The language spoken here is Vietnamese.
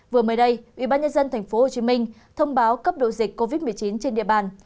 vừa mới đây ubnd tp hcm thông báo cấp độ dịch covid một mươi chín trên địa bàn